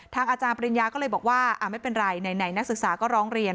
อาจารย์ปริญญาก็เลยบอกว่าไม่เป็นไรไหนนักศึกษาก็ร้องเรียน